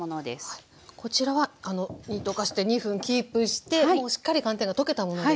こちらは煮溶かして２分キープしてもうしっかり寒天が溶けたものですね。